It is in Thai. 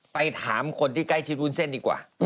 ไปถามคนที่ใกล้ชิดวุ้นเส้นดีกว่า